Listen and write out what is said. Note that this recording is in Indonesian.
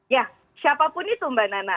ya siapapun itu mbak nana